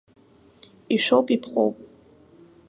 Ишәоуп, иԥҟоуп!